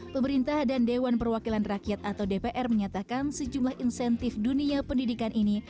pemerintah dan dewan perwakilan rakyat atau dpr menyatakan sejumlah insentif dunia pendidikan ini